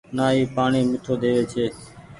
نآ اي پآڻيٚ ميٺو ۮيوي ڇي ۔